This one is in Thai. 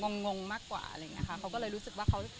งงมากกว่าเลยรู้สึกว่า